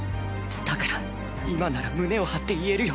だから今なら胸を張って言えるよ